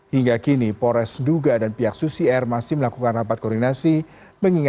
hingga kini pores duga dan pihak susi air masih melakukan rapat koordinasi